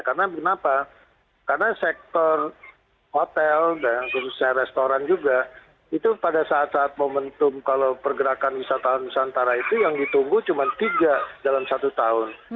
karena kenapa karena sektor hotel dan khususnya restoran juga itu pada saat saat momentum kalau pergerakan wisataan wisataan antara itu yang ditunggu cuma tiga dalam satu tahun